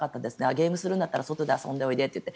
ゲームするんだったら外で遊んでおいでって。